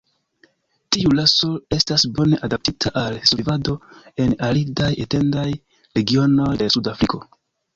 Tiu raso estas bone adaptita al survivado en aridaj etendaj regionoj de Suda Afriko.